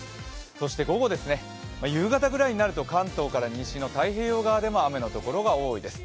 そして午後、夕方ぐらいになると関東から西の太平洋側でも雨の所が多いです。